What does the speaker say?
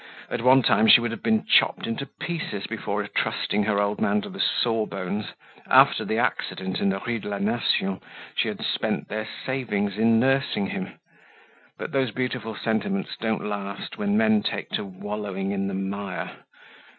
At one time she would have been chopped into pieces before trusting her old man to the saw bones. After the accident in the Rue de la Nation she had spent their savings in nursing him. But those beautiful sentiments don't last when men take to wallowing in the mire.